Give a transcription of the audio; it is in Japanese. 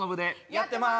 やってます。